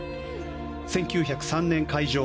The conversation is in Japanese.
１９０３年、開場。